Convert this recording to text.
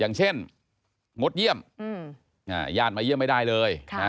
อย่างเช่นงดเยี่ยมญาติมาเยี่ยมไม่ได้เลย